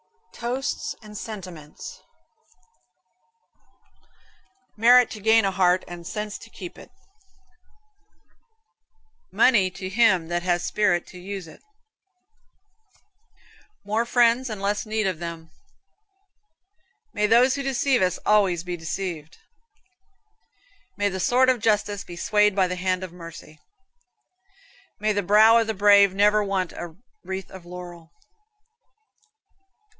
TOASTS AND SENTIMENTS Merit to gain a heart, and sense to keep it. Money to him that has spirit to use it. More friends and less need of them. May those who deceive us be always deceived. May the sword of justice be swayed by the hand of mercy. May the brow of the brave never want a wreath of laurel.